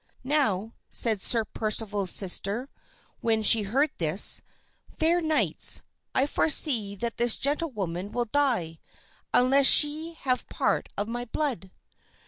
"Now," said Sir Percival's sister, when she heard this, "fair knights, I foresee that this gentlewoman will die, unless she have part of my blood."